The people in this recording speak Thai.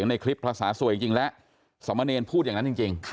อักษาสวยจริงและสมเนณพูดอย่างนั้นจริง